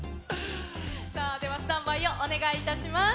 さあではスタンバイをお願いいたします。